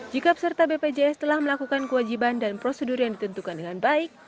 jika peserta bpjs telah melakukan kewajiban dan prosedur yang ditentukan dengan baik